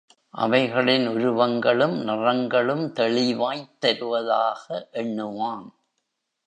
அவைகளின் உருவங்களும், நிறங்களும் தெளிவாய்த் தெரிவதாக எண்ணுவான்.